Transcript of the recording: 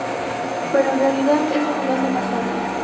Pero en realidad eso no lo hace más fácil.